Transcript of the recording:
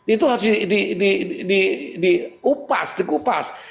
itu harus diupas